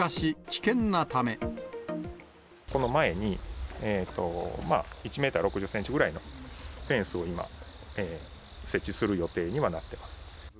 この前に、１メーター６０センチぐらいのフェンスを今、設置する予定にはなってます。